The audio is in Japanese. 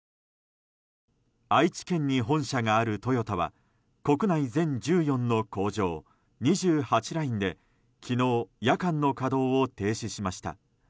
愛知県に本社があるトヨタは国内全１４の工場２８ラインで昨日夜間の稼働を停止しました。